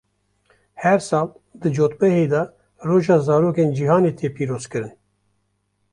Her sal di cotmehê de Roja Zarokên Cîhanî tê pîrozkirin.